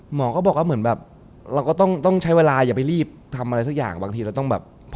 หมอก็บอกว่าเราก็ต้องใช้เวลาอย่าไปรีบทำอะไรสักอย่าง